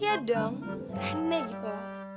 ya dong rene gitu